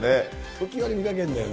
時折見かけるんだよね。